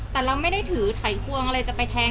แต่ที่มาพวกสาวเลือดหลับกำเทาหัวเหิดแตกหมด